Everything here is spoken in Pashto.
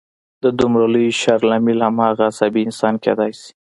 د دومره لوی شر لامل هماغه عصبي انسان کېدای شي